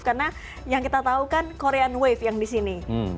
karena yang kita tahu kan korean wave yang di sini